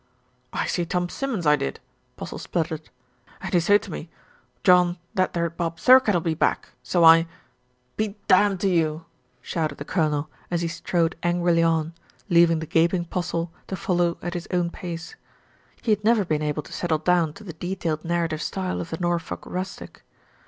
"I see Tom Simmons, I did," Postle sp'uttered, "and he say to me, 'John, that there Bob Thirkettle be back,' so I" "Be damned to you !" shouted the Colonel, as he strode angrily on, leaving the gaping Postle to follow at his own pace. He had never been able to settle down to the detailed narrative style of the Norfolk rustic.